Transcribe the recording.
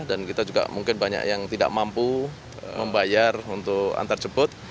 dan kita juga mungkin banyak yang tidak mampu membayar untuk antarceput